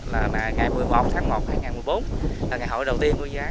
là ngày một mươi một tháng một hai nghìn một mươi bốn là ngày hội đầu tiên của dự án